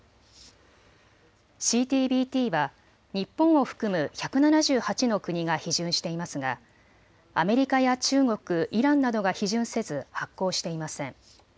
ＣＴＢＴは日本を含む１７８の国が批准していますがアメリカや中国、イランなどが批准せず発効していません。